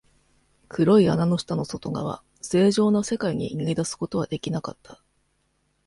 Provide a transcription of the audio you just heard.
黒い穴の下の外側、正常な世界に逃げ出すことはできなかった。